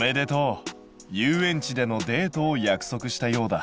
遊園地でのデートを約束したようだ。